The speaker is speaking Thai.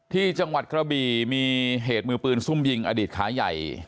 ที่จังหวัดกระบี่มีเหตุมือปืนซุ่มยิงอดีตขาใหญ่